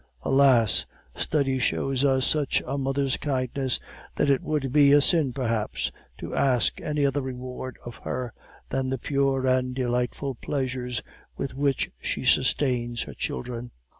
Alas! study shows us such a mother's kindness that it would be a sin perhaps to ask any other reward of her than the pure and delightful pleasures with which she sustains her children.